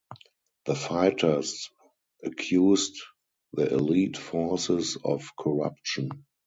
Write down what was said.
The fighters accused the Elite Forces of corruption.